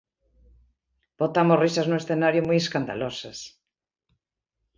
Botamos risas no escenario moi escandalosas.